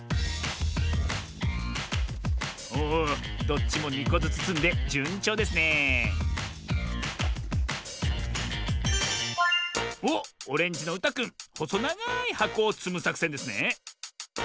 おおどっちも２こずつつんでじゅんちょうですねえおっオレンジのうたくんほそながいはこをつむさくせんですね。